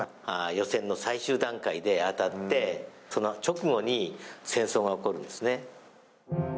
予選の最終段階で当たってその直後に戦争が起こるんです。